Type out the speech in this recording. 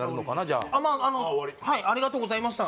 あのはいありがとうございました